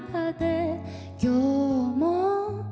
「今日も」